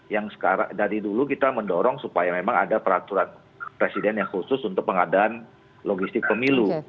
yang sekarang dari dulu kita mendorong supaya memang ada peraturan presiden yang khusus untuk pengadaan logistik pemilu